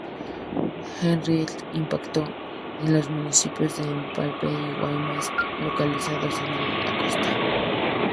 Henriette impactó en los municipios de Empalme y Guaymas, localizados en la costa.